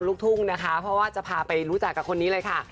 ลูกทุ่งนะคะเพราะว่าจะพาไปรู้จักกับคนนี้เลยค่ะ